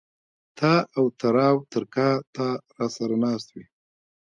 تااو تراو تر کا ته را سر ه ناست وې